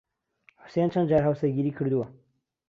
حوسێن چەند جار هاوسەرگیریی کردووە؟